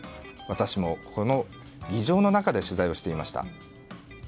私もこの議場の中で取材をしていました。